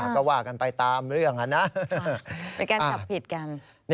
ก็ว่ากันไปตามอย่างนั้นนะ